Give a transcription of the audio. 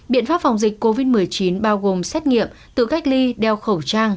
biện pháp phòng dịch covid một mươi chín bao gồm xét nghiệm tự cách ly đeo khẩu trang